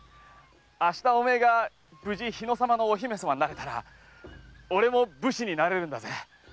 明日お前が無事日野様のお姫様になったら俺も武士になれるんだぜ。